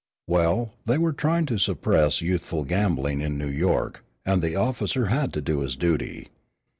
Well, they were trying to suppress youthful gambling in New York, and the officer had to do his duty.